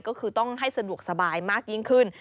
ก็คือต้องให้สะดวกสบายมากยิ่งขึ้น